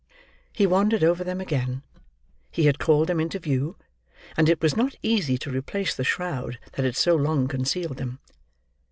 He wandered over them again. He had called them into view, and it was not easy to replace the shroud that had so long concealed them.